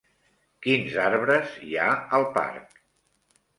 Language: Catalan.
Quins arbres hi ha al parc?